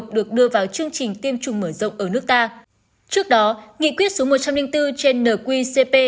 được đưa vào chương trình tiêm chủng mở rộng ở nước ta trước đó nghị quyết số một trăm linh bốn trên nqcp